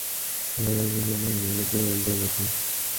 Azithromycin একটি antibiotic.